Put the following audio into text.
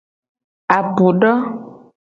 Apu do.